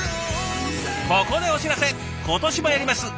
ここでお知らせ！